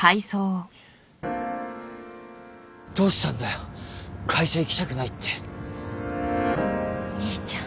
どうしたんだよ会社行きたくないってお兄ちゃん